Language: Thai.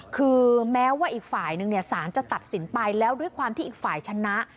คือแม้ว่าอีกฝ่ายนึงสารจะตัดสินไปแล้วด้วยความที่อีกฝ่ายชนะ